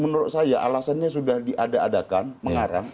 menurut saya alasannya sudah diadakan mengarang